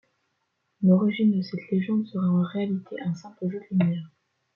L'origine de cette légende serait en réalité un simple jeu de lumière.